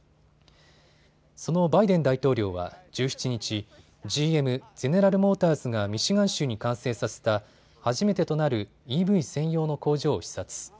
そのバイデン大統領は１７日、ＧＭ・ゼネラル・モーターズがミシガン州に完成させた初めてとなるＥＶ専用の工場を視察。